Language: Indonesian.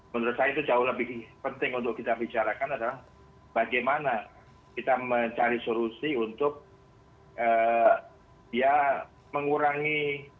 menurut saya itu jauh lebih penting untuk kita bicarakan adalah bagaimana kita mencari solusi untuk ya mengurangi